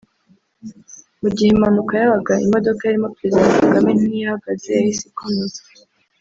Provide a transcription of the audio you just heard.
Mu gihe impanuka yabaga imodoka yarimo Perezida Kagame ntiyahagaze yahise ikomeza